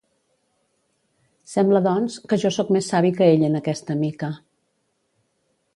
Sembla doncs, que jo sóc més savi que ell en aquesta mica: